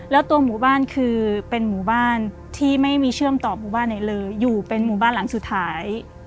แล้วตัวหมู่บ้านคือเป็นหมู่บ้านที่ไม่มีเชื่อมต่อหมู่บ้านไหนเลยอยู่เป็นหมู่บ้านหลังสุดท้าย